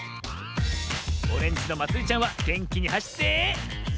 オレンジのまつりちゃんはげんきにはしって。